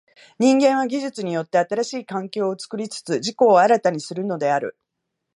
人間は技術によって新しい環境を作りつつ自己を新たにするのである。